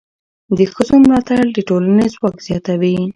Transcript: د ښځو ملاتړ د ټولنې ځواک زیاتوي.